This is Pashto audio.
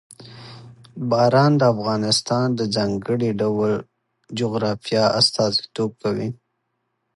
باران د افغانستان د ځانګړي ډول جغرافیه استازیتوب کوي.